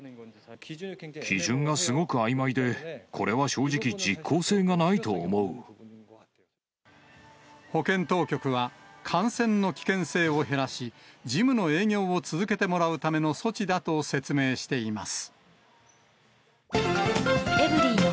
基準がすごくあいまいで、保健当局は、感染の危険性を減らし、ジムの営業を続けてもらうための措置だと説明しています。